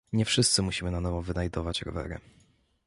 Nie wszyscy musimy na nowo wynajdować rowery